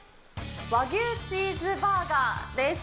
和牛チーズバーガーです。